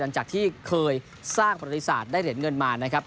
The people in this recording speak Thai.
หลังจากที่เคยสร้างประวัติศาสตร์ได้เหรียญเงินมานะครับ